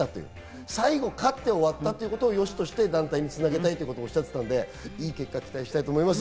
最後勝って終わったということをよしとして団体につなげたいとおっしゃっていたので、いい結果を期待したいと思います。